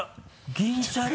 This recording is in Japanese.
「銀シャリ」